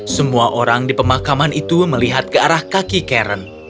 semua orang di pemakaman itu melihat ke arah kaki karen